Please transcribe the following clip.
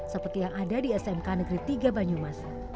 seperti yang ada di smk negeri tiga banyumas